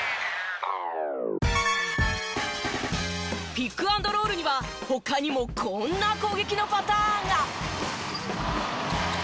ピックアンドロールには他にもこんな攻撃のパターンが。